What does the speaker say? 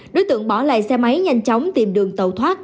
đối tượng bỏ lại xe máy nhanh chóng tìm đường tàu thoát